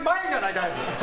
だいぶ。